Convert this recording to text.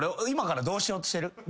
今からどうしようとしてる？